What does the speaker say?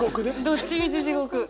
どっちみち地獄。